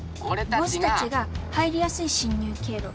ボスたちが入りやすい侵入経路。